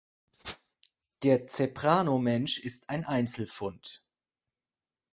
Der „Ceprano-Mensch“ ist ein Einzelfund.